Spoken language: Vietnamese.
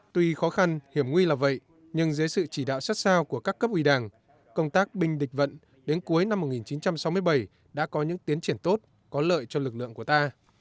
tuy khó khăn hiểm nguy là vậy nhưng dưới sự chỉ đạo sát sao của các cấp ủy đảng công tác binh địch vận đến cuối năm một nghìn chín trăm sáu mươi bảy đã có những tiến triển tốt có lợi cho lực lượng của ta